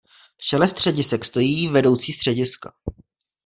V čele středisek stojí "vedoucí střediska".